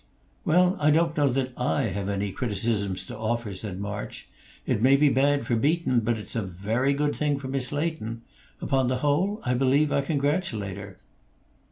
"Well, I don't know that I have any criticisms to offer," said March. "It may be bad for Beaton, but it's a very good thing for Miss Leighton. Upon the whole, I believe I congratulate her."